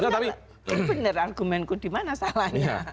tapi bener argumenku dimana salahnya